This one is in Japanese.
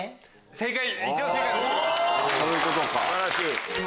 正解。